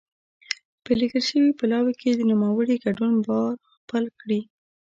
په لېږل شوي پلاوي کې د نوموړي ګډون باور خپل کړي.